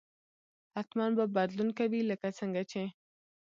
حتما به بدلون کوي لکه څنګه چې